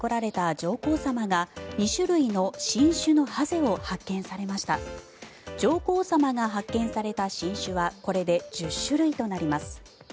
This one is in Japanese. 上皇さまが発見された新種はこれで１０種類となります。